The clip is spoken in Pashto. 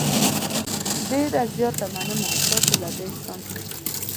ډېره زیاته مننه ستاسې له دې احسان څخه.